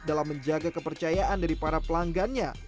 dalam menjaga kepercayaan dari para pelanggannya